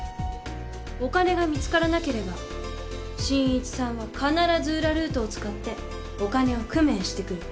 お金が見つからなければ信一さんは必ず裏ルートを使ってお金を工面してくる